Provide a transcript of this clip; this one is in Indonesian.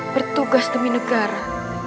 bertugas demi negara